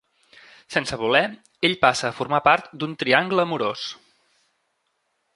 Sense voler, ell passa a formar part d'un triangle amorós.